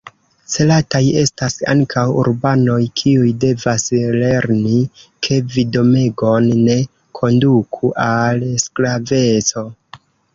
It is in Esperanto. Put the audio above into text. Celataj estas ankaŭ urbanoj, kiuj devas lerni, ke vidomegon ne konduku al sklaveco.